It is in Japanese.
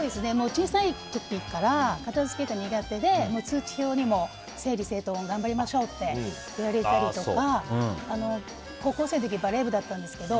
小さい時から片付けが苦手で通知表にも整理整頓を頑張りましょうと言われたりとか高校生の時バレー部だったんですけど。